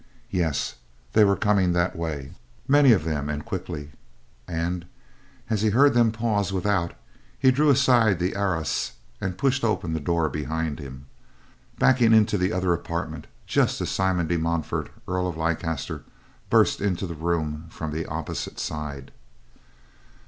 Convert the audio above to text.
Yes, they were coming that way, many of them and quickly and, as he heard them pause without, he drew aside the arras and pushed open the door behind him; backing into the other apartment just as Simon de Montfort, Earl of Leicester, burst into the room from the opposite side.